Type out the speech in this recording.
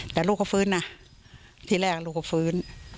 แต่ลูกเขาฟื้นนะที่แรกลูกก็ฟื้น